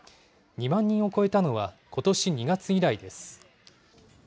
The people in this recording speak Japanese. ２万人を超えたのはことし２月以来です。